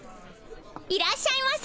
いらっしゃいませ。